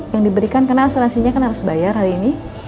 yang diberikan karena asuransinya kan harus bayar hari ini